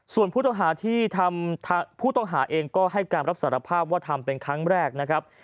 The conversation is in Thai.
ส่วนผู้ต้องหาที่ทำผู้ต้องหาเองก็ให้การรับสารภาพว่าทำเป็นครั้งแรกนะครับ